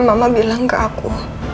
mama bilang ke aku